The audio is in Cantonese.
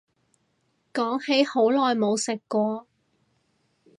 講起好耐冇食過